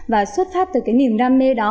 và xuất phát từ niềm đam mê đó